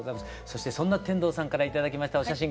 そしてそんな天童さんから頂きましたお写真